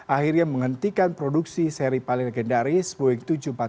akhirnya menghentikan produksi seri paling legendaris boeing tujuh ratus empat puluh lima